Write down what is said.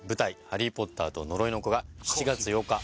「ハリー・ポッターと呪いの子」が７月８日